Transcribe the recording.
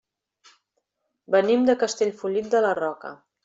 Venim de Castellfollit de la Roca.